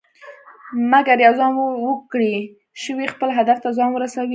مګر یو ځوان وکړى شوى خپل هدف ته ځان ورسوي.